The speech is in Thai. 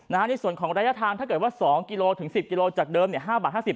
ในส่วนของระยะทางถ้าเกิดว่า๒กิโลถึง๑๐กิโลจากเดิม๕บาท๕๐